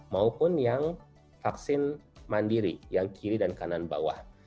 maupun yang vaksin mandiri yang kiri dan kanan bawah